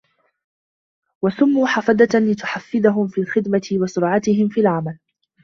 وَسُمُّوا حَفَدَةً لِتَحَفُّدِهِمْ فِي الْخِدْمَةِ وَسُرْعَتِهِمْ فِي الْعَمَلِ